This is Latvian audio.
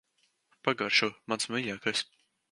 Pagaršo. Mans mīļākais.